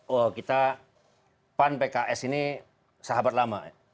oh kita pan pks ini sahabat lama